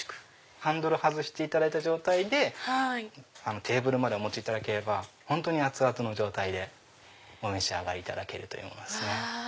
ハンドル外していただいた状態でテーブルまでお持ちいただけば本当に熱々の状態でお召し上がりいただけるものです。